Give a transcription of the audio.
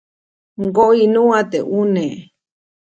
ʼMgoʼiʼnuʼa teʼ ʼuneʼ.